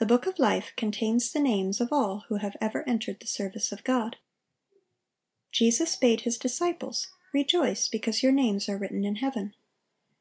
(839) The book of life contains the names of all who have ever entered the service of God. Jesus bade His disciples, "Rejoice, because your names are written in heaven."